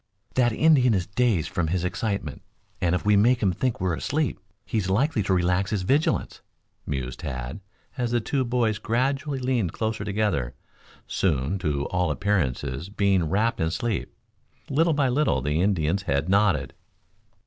"That Indian is dazed from his excitement, and if we make him think we're asleep he's likely to relax his vigilance," mused Tad, as the two boys gradually leaned closer together, soon to all appearances being wrapped in sleep. Little by little the Indian's head nodded.